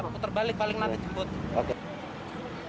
putar balik paling nanti cepat